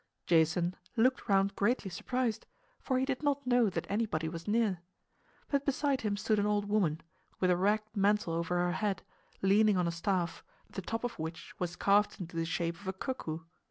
Jason looked round greatly surprised, for he did not know that anybody was near. But beside him stood an old woman, with a ragged mantle over her head, leaning on a staff, the top of which was carved into the shape of a cuckoo.